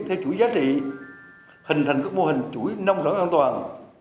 theo chuỗi giá trị hình thành các mô hình chuỗi nông sản an toàn